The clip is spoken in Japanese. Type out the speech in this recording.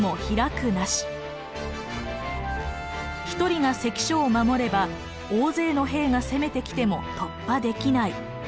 「一人が関所を守れば大勢の兵が攻めてきても突破できない」。